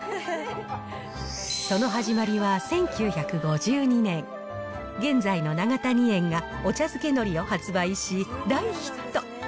その始まりは１９５２年、現在の永谷園がお茶づけ海苔を発売し、大ヒット。